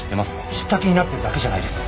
知った気になってるだけじゃないですか？